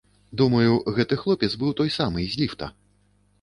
Думаю, гэты хлопец быў той самы, з ліфта.